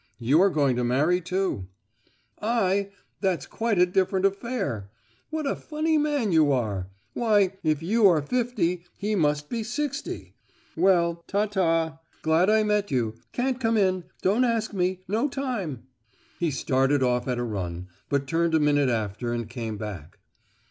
You are going to marry, too!" "I! That's quite a different affair! What a funny man you are! Why, if you are fifty, he must be sixty! Well, ta ta! Glad I met you—can't come in—don't ask me—no time!" He started off at a run, but turned a minute after and came back.